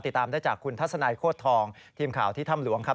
ติดตามได้จากคุณทัศนัยโคตรทองทีมข่าวที่ถ้ำหลวงครับ